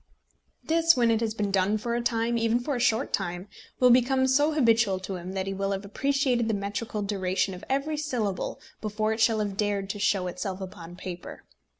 This, when it has been done for a time, even for a short time, will become so habitual to him that he will have appreciated the metrical duration of every syllable before it shall have dared to show itself upon paper.